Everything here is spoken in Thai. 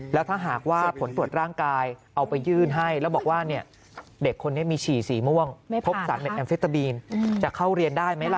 แล้วถ้าหากว่าผลตรวจร่างกายเอาไปยื่นให้แล้วบอกว่าเด็กคนนี้มีฉี่สีม่วงพบสารเด็ดแอมเฟตามีนจะเข้าเรียนได้ไหมล่ะ